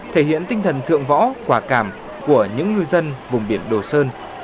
thể hiện tinh thần thượng võ quả cảm của những người dân vùng biển đổ sơn